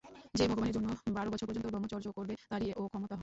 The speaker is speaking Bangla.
যে ভগবানের জন্য বার বছর পর্যন্ত ব্রহ্মচর্য করবে, তারই ও-ক্ষমতা হবে।